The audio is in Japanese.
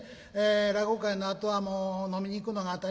落語会のあとはもう飲みに行くのが当たり前。